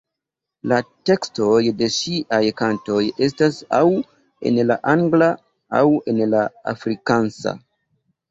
La tekstoj de ŝiaj kantoj estas aŭ en la angla aŭ en la afrikansa.